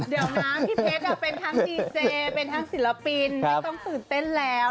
เดี๋ยวนะพี่เพชรเป็นทั้งดีเจเป็นทั้งศิลปินไม่ต้องตื่นเต้นแล้ว